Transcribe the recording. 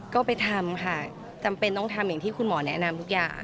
ก็ไปทำค่ะจำเป็นต้องทำอย่างที่คุณหมอแนะนำทุกอย่าง